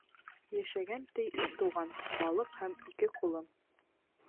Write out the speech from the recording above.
Йәшәгән, ти, өс туған: балыҡ һәм ике ҡулым...